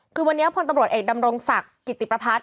คือวันนี้พลตำรวจเอกดำรงศักดิ์กิติประพัฒน์